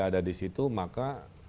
ada di situ maka